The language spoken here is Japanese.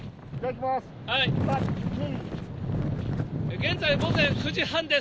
現在午前９時半です。